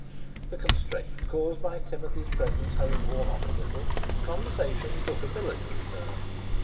The constraint caused by Timothy's presence having worn off a little, conversation took a military turn.